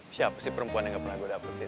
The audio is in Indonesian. siapa sih perempuan yang gak pernah gue dapetin